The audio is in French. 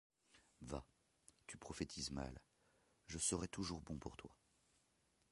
Va, tu prophétises mal ; je serai toujours bon pour toi.